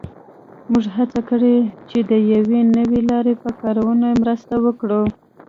موږ هڅه کړې چې د یوې نوې لارې په کارونه مرسته وکړو